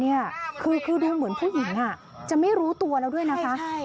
นี่คือดูเหมือนผู้หญิงจะไม่รู้ตัวแล้วด้วยนะคะ